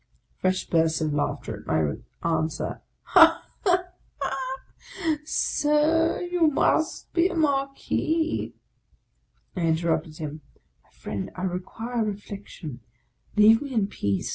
Fresh bursts of laughter at my answer. " Ha, ha, ha ! Sir, you must be a Marquis." I interrupted him, " My friend, I require reflection : leave me in peace."